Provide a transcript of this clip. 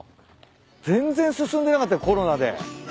全然進んでなかったコロナで。